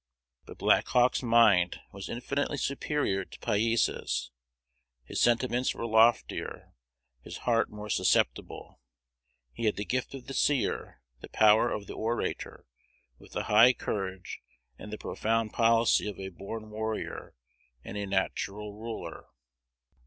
But Black Hawk's mind was infinitely superior to Pyesa's: his sentiments were loftier, his heart more susceptible; he had the gift of the seer, the power of the orator, with the high courage and the profound policy of a born warrior and a natural ruler.